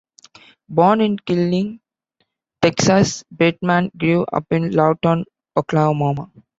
Born in Killeen, Texas, Bateman grew up in Lawton, Oklahoma.